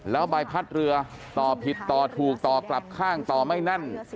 แล้วใบพัดเรือต่อผิดต่อถูกต่อกลับข้างต่อไม่แน่น